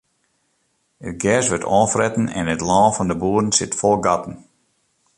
It gers wurdt oanfretten en it lân fan de boeren sit fol gatten.